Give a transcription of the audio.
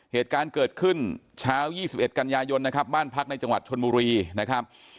เหตุการณ์เกิดขึ้นเช้า๒๑กันยายนนะครับบ้านพักในจังหวัดชนบุรีนะครับ